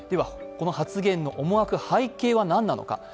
この発言の思惑、背景は何なのか。